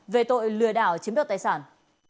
về tội lừa đảo chiếm đoạt tài sản